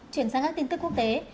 chuyển sang các tin tức quốc tế